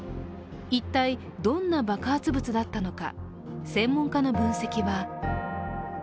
一体どんな爆発物だったのか。